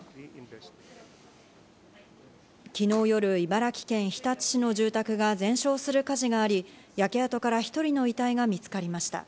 昨日夜、茨城県日立市の住宅が全焼する火事があり、焼け跡から１人の遺体が見つかりました。